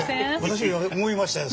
私も思いましたよ